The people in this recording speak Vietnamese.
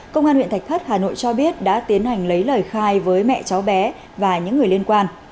công an huyện thạch thất hà nội cho biết đã tiến hành lấy lời khai với mẹ cháu bé và những người liên quan